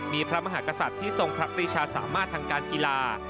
มีพระมหากษัตริย์ที่ทรงพระปริชาสามารถทางการกีฬา